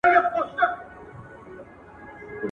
د ښووني پوهنځۍ بې ارزوني نه تایید کیږي.